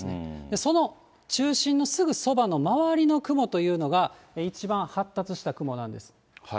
その中心のすぐそばの周りの雲というのが一番発達した雲なんです。